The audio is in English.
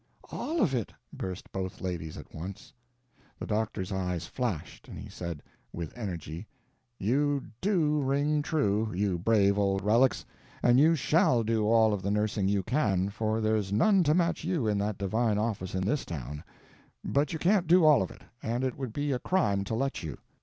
"All of it!" burst from both ladies at once. The doctor's eyes flashed, and he said, with energy: "You do ring true, you brave old relics! And you _shall _do all of the nursing you can, for there's none to match you in that divine office in this town; but you can't do all of it, and it would be a crime to let you."